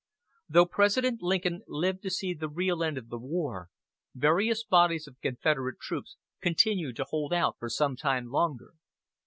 Though President Lincoln lived to see the real end of the war, various bodies of Confederate troops continued to hold out for some time longer.